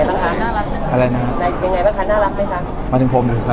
น่ารักอะไรนะครับยังไงบ้างคะน่ารักไหมคะมาถึงผมอยู่ค่ะค่ะ